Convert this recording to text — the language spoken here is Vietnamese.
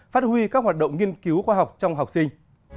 phát huy các hoạt động nghiên cứu khoa học trong học sinh